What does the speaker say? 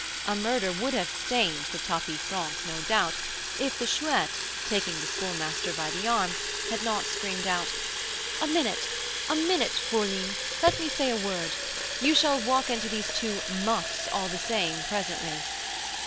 A murder would have stained the tapis franc, no doubt, if the Chouette, taking the Schoolmaster by the arm, had not screamed out: "A minute, a minute, fourline, let me say a word! You shall walk into these two 'muffs' all the same, presently."